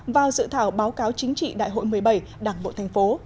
vào dự thảo báo cáo chính trị đại hội một mươi bảy đảng bộ thành phố